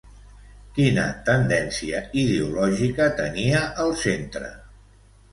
Quina tendència ideològica tenia el centre?